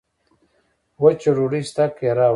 وچه ډوډۍ سته که راوړم